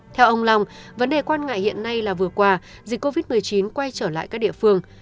theo ông long vấn đề quan ngại hiện nay là vừa qua dịch covid một mươi chín quay trở lại các địa phương